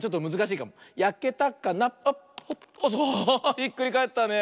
ひっくりかえったね。